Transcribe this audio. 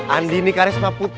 andi ini karya sama put